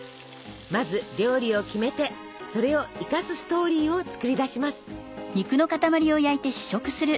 まず料理を決めてそれを生かすストーリーを作り出します。